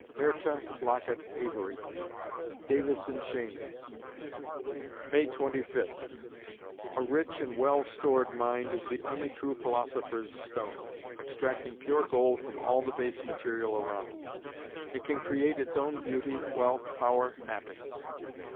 MYRTA LOCKETT AVARY (Davis in chains) May Twenty Fifth A rich and well stored mind is the only true philosopher's stone, extracting pure gold from all the base material around. It can create its own beauty, wealth, power, happiness.